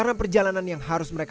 pekerjaan secara segera